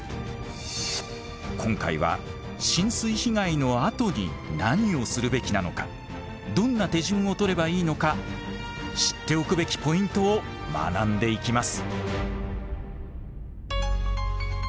今回は浸水被害のあとに何をするべきなのかどんな手順をとればいいのか知っておくべきポイントを学んでいきます。